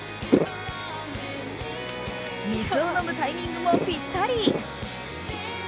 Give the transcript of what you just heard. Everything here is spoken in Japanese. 水を飲むタイミングもぴったり。